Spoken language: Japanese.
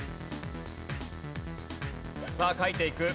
さあ書いていく。